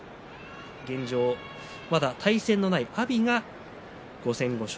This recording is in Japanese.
現状、まだ対戦のない阿炎が５戦５勝。